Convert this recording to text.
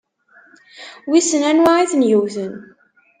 Wissen anwa i ten-yewwten?